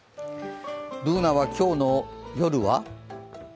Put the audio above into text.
Ｂｏｏｎａは今日の夜は？